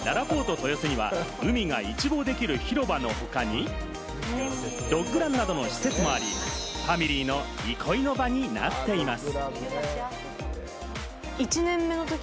豊洲には海が一望できる広場の他に、ドッグランなどの施設もあり、ファミリーの憩いの場になっています。